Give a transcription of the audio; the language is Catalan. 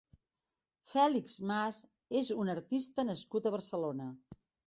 Félix Mas és un artista nascut a Barcelona.